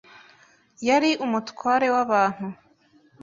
Yari umutware w’abantu.